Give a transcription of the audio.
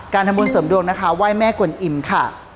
ทำบุญเสริมดวงนะคะไหว้แม่กวนอิ่มค่ะ